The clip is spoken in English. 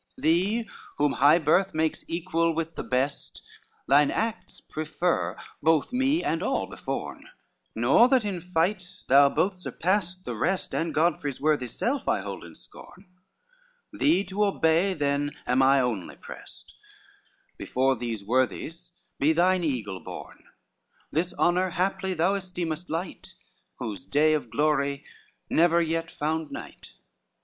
X "Thee whom high birth makes equal with the best Thine acts prefer both me and all beforn; Nor that in fight thou both surpass the rest, And Godfrey's worthy self, I hold in scorn; Thee to obey then am I only pressed; Before these worthies be thine eagle borne; This honor haply thou esteemest light, Whose day of glory never yet found night.